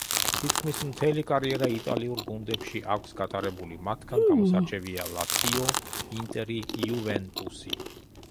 თითქმის მთელი კარიერა იტალიურ გუნდებში აქვს გატარებული, მათგან გამოსარჩევია: ლაციო, ინტერი, იუვენტუსი.